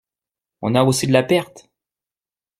On a aussi de la perte!